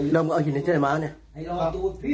แล้วมึงเอาหินในเจ้าไอ้ม้าเนี่ย